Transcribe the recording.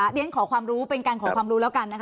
เรียนขอความรู้เป็นการขอความรู้แล้วกันนะคะ